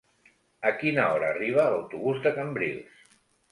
A quina hora arriba l'autobús de Cambrils?